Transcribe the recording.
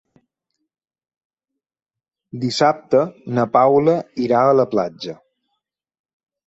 Dissabte na Paula irà a la platja.